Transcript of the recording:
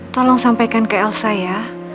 tolong sampaikan ke elsa ya